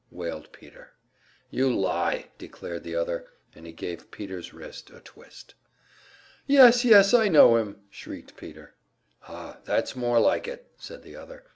wailed Peter. "You lie!" declared the other, and he gave Peter's wrist a twist. "Yes, yes, I know him!" shrieked Peter. "Oh, that's more like it!" said the other.